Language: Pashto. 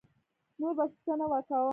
نور به څه نه کووم.